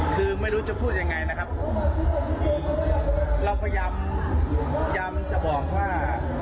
คือไม่รู้จะพูดยังไงนะครับเราพยายามจะบอกว่า